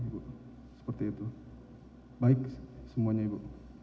baik semuanya ibu